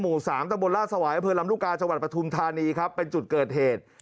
หมู่สามตะบนราชสวายพืชลำลูกกาชาวัดประทุมธานีครับเป็นจุดเกิดเหตุ